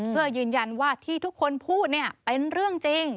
เพื่อยืนยันว่าที่ทุกคนพูดเนี่ยเป็นเรื่องจริง